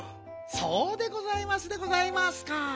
そうでございますでございますか。